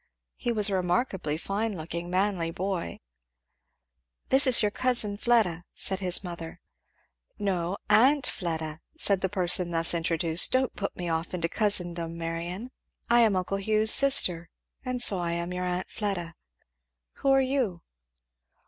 He was a remarkably fine looking manly boy. "That is your cousin Fleda," said his mother. "No aunt Fleda," said the person thus introduced "don't put me off into cousindom, Marion. I am uncle Hugh's sister and so I am your aunt Fleda. Who are you?"